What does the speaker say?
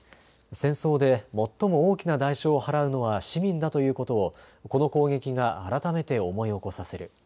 戦争で最も大きな代償を払うのは市民だということをこの攻撃が改めて思い起こさせる。